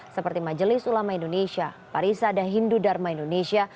seperti majelis ulama indonesia parisa dan hindu dharma indonesia